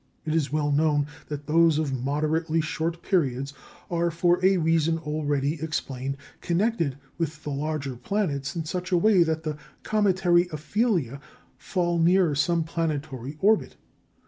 It is well known that those of moderately short periods are, for a reason already explained, connected with the larger planets in such a way that the cometary aphelia fall near some planetary orbit.